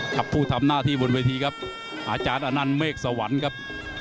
ผู้ทำหน้าที่บนเวทีครับอาจารย์อนันต์เมฆสวรรค์ครับ